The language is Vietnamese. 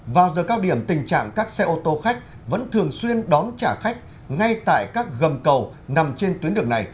vào giờ cao điểm tình trạng các xe ô tô khách vẫn thường xuyên đón trả khách ngay tại các gầm cầu nằm trên tuyến đường này